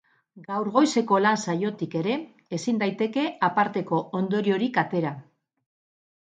Gaur goizeko lan saiotik ere ezin daiteke aparteko ondoriorik atera.